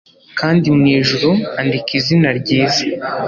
kandi mwijuru andika izina ryiza